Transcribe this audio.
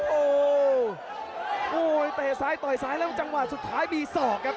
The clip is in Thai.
โอ้โหเตะซ้ายต่อยซ้ายแล้วจังหวะสุดท้ายมีศอกครับ